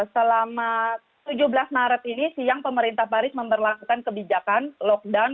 selama tujuh belas maret ini siang pemerintah paris memperlakukan kebijakan lockdown